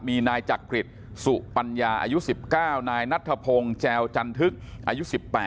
มีนายจักริตสุปัญญาอายุ๑๙นายนัทธพงศ์แจวจันทึกอายุ๑๘